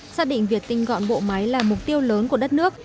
xác định việc tinh gọn bộ máy là mục tiêu lớn của đất nước